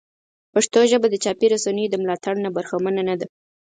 پښتو ژبه د چاپي رسنیو د ملاتړ نه برخمنه نه ده.